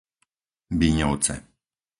Bíňovce